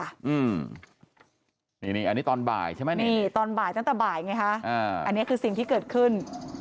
อันนี้นี่อันนี้ตอนบ่ายใช่ไหมนี่ตอนบ่ายตั้งแต่บ่ายไงฮะอ่าอันนี้คือสิ่งที่เกิดขึ้น